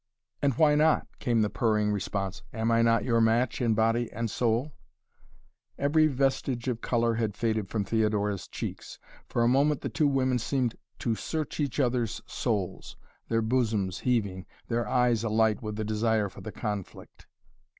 "And why not?" came the purring response. "Am I not your match in body and soul?" Every vestige of color had faded from Theodora's cheeks. For a moment the two women seemed to search each other's souls, their bosoms heaving, their eyes alight with the desire for the conflict.